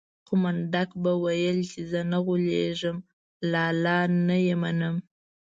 خو منډک به ويل چې زه نه غولېږم لالا نه يې منم.